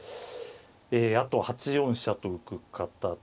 あと８四飛車と浮く形。